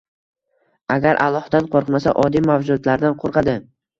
Agar Allohdan qo‘rqmasa, oddiy mavjudotlardan qo‘rqadi.